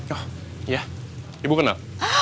oh iya ibu kenal